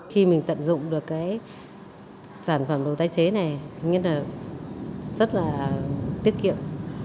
khi mình tận dụng được cái sản phẩm đồ tái chế này nghĩa là rất là tiết kiệm